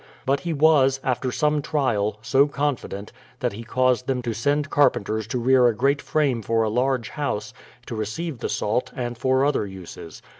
But he was, after some trial, so confident, that he caused them to send carpenters to rear a great frame for a large house, to receive the salt, and for other uses.